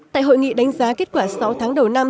tại hội nghị đánh giá kết quả sáu tháng đầu năm